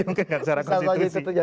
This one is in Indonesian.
mungkin secara konstitusi